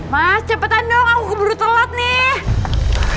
mas cepetan dong aku keburu telat nih